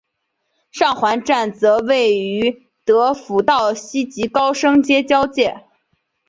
上环站则位于德辅道西及高升街交界。